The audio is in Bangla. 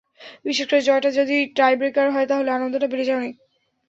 বিশেষ করে জয়টা যদি টাইব্রেকারে হয়, তাহলে আনন্দটা বেড়ে যায় অনেক।